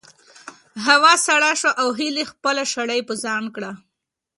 هوا سړه شوه او هیلې خپله شړۍ په ځان کړه.